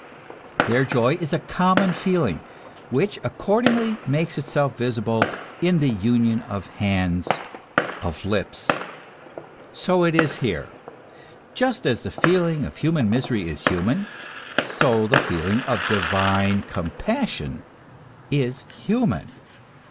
Their joy is a common feeling, which accord ingly makes itself visible in the union of hands, of lips. So it is here. Just as the feeling of human misery is human, so the feeling of divine compassion is human.